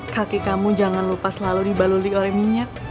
kaki kamu jangan lupa selalu dibalulik oleh minyak